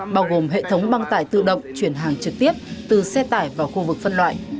bao gồm hệ thống băng tải tự động chuyển hàng trực tiếp từ xe tải vào khu vực phân loại